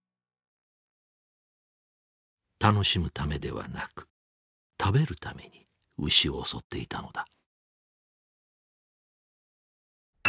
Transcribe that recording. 楽しむためではなく食べるために牛を襲っていたのだ。